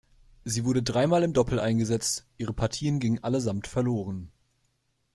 Sie wurde dreimal im Doppel eingesetzt, ihre Partien gingen allesamt verloren.